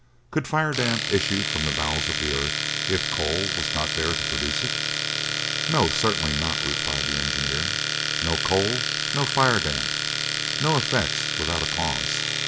"Could fire damp issue from the bowels of the earth if coal was not there to produce it?" "No, certainly not!" replied the engineer. "No coal, no fire damp. No effects without a cause."